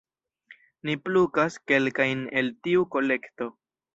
Ni plukas kelkajn el tiu kolekto.